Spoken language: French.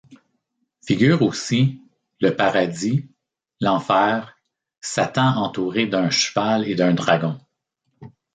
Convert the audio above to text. Figurent aussi, le Paradis, l'Enfer, Satan entouré d'un cheval et d'un dragon...